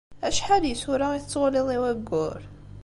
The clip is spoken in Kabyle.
Acḥal n yisura i tettwaliḍ i wayyur?